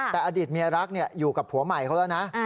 แต่อดีตเมียรักอยู่กับผัวใหม่เขาแล้วนะ